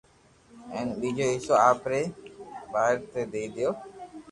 ھين ٻيجو حصو آپري ٻئير ني دئي ديدو